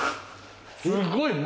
すっごい！